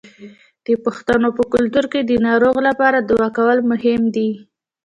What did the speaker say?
د پښتنو په کلتور کې د ناروغ لپاره دعا کول مهم دي.